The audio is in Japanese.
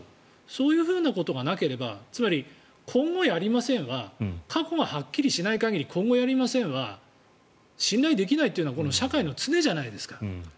そういうふうなことがなければつまり、今後やりませんは過去がはっきりしない限り今後やりませんは信頼できないというのはこの社会の常じゃないですか。